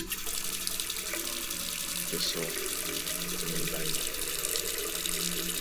Ó njé pɛ́ sɔ́ ná enɔ́ ná níɓa é?